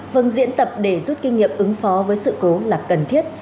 vâng diễn tập để rút kinh nghiệm ứng phó với sự cố là cần thiết